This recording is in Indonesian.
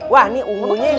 wah ini ungunya